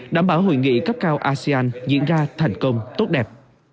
đảm bảo hội nghị cấp cao asean diễn ra thành công tốt đẹp